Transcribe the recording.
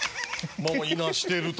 もういなしてると。